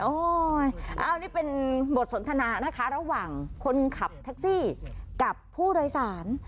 อันนี้เป็นบทสนทนานะคะระหว่างคนขับแท็กซี่กับผู้โดยสาร